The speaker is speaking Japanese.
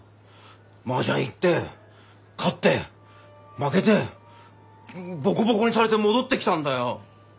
麻雀行って勝って負けてボコボコにされて戻ってきたんだよ。